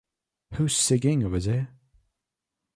Who's Singin' Over There?